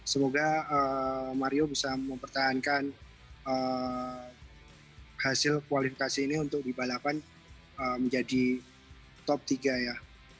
semoga mario bisa mempertahankan hasil kualifikasi ini untuk di balapan menjadi top tiga ya